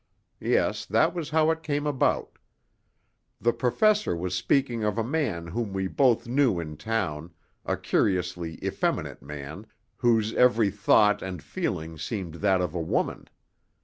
Yes, that was how it came about. The Professor was speaking of a man whom we both knew in town, a curiously effeminate man, whose every thought and feeling seemed that of a woman.